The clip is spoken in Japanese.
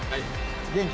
元気？